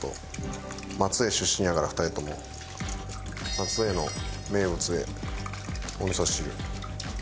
松江の名物でおみそ汁。